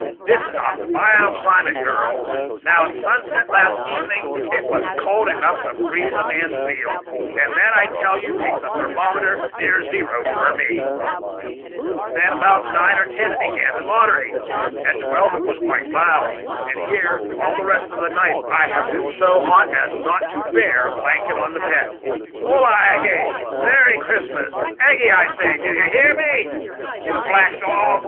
This is a vile climate, girl; now at sunset, last evening, it was cold enough to freeze a man's zeal, and that, I can tell you, takes a thermometer near zero for me; then about nine or ten it began to moderate; at twelve it was quite mild, and here all the rest of the night I have been so hot as not to bear a blanket on the bed. Holla! Aggy merry Christmas, Aggy I say, do you hear me, you black dog!